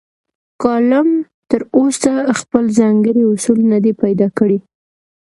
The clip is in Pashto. کالم تراوسه خپل ځانګړي اصول نه دي پیدا کړي.